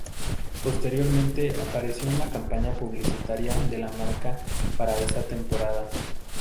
Posteriormente, apareció en la campaña publicitaria de la marca para esa temporada.